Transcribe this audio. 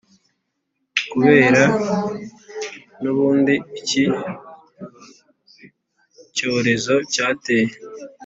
kubera n’ubundi iki cyorezo cyateye.